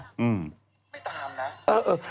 ไม่ตามนะ